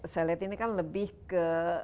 saya lihat ini kan lebih ke